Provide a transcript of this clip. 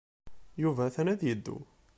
Yuba atan ad yeddu.